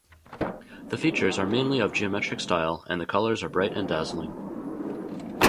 The features are mainly of geometric style, and the colors are bright and dazzling.